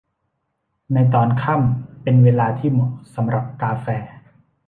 ในตอนค่ำเป็นเวลาที่เหมาะสำหรับกาแฟ